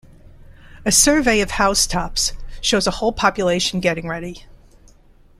A survey of housetops... shows a whole population getting ready.